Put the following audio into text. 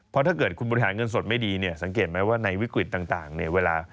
เพราะถ้าเกิดคุณบริหารเงินสดไม่ดีเนี่ยสังเกตไหมว่าในวิกฤตต่างเนี่ยเวลา